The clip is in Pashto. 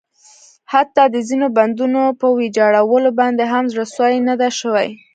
حتٰی د ځینو بندونو په ویجاړولو باندې هم زړه سوی نه ده شوی.